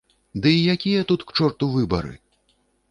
Ды і якія тут, к чорту, выбары?